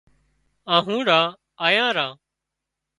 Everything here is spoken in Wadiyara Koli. آنهُوڙان آيان ران